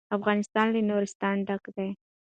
افغانستان له نورستان ډک دی.